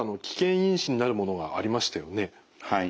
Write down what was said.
はい。